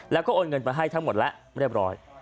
แล้วก็โอนเงินไปให้ทั้งหมดแล้วเรียบร้อย